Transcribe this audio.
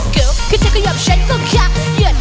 เกลียวแค่เธอก็ยอมเช็ดก็แค่เยื่อน